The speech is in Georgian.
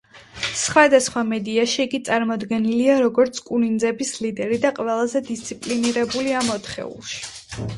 სხვადასხვა მედიაში იგი წარმოდგენილია, როგორც კუ ნინძების ლიდერი და ყველაზე დისციპლინირებული ამ ოთხეულში.